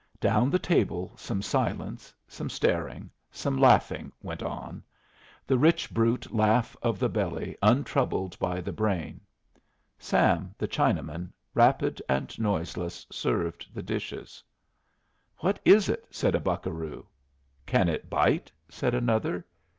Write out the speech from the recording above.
Down the table some silence, some staring, much laughing went on the rich brute laugh of the belly untroubled by the brain. Sam, the Chinaman, rapid and noiseless, served the dishes. "What is it?" said a buccaroo. "Can it bite?" said another.